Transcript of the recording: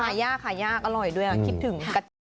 หายากขายยากอร่อยด้วยคิดถึงกะทิ